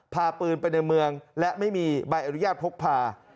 พาปืนไปในเมืองและไม่มีใบอนุญาตพกพา